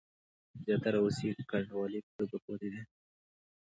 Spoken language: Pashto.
زیاتره اوس یې کنډوالې په توګه پاتې دي.